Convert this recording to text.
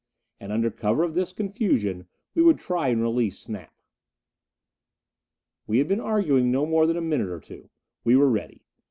And under cover of this confusion we would try and release Snap. We had been arguing no more than a minute or two. We were ready.